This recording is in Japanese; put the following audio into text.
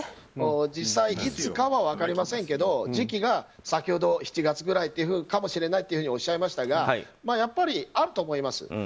実際、いつかは分かりませんけど時期が、先ほど７月ぐらいかもしれないとおっしゃいましたがやっぱりあると思います。